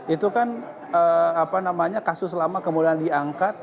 itu kan kasus lama kemudian diangkat